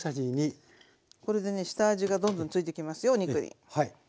これでね下味がどんどんついてきますよお肉に。